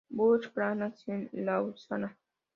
Burckhardt nació en Lausana.